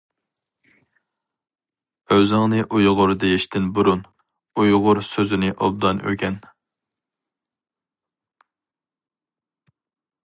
ئۆزۈڭنى ئۇيغۇر دېيىشتىن بۇرۇن «ئۇيغۇر» سۆزىنى ئوبدان ئۆگەن!